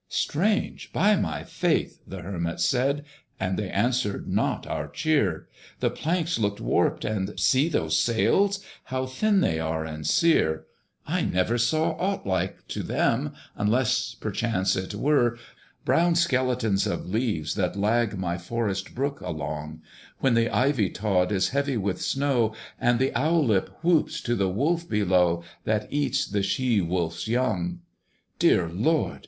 "Strange, by my faith!" the Hermit said "And they answered not our cheer! The planks looked warped! and see those sails, How thin they are and sere! I never saw aught like to them, Unless perchance it were "Brown skeletons of leaves that lag My forest brook along; When the ivy tod is heavy with snow, And the owlet whoops to the wolf below, That eats the she wolf's young." "Dear Lord!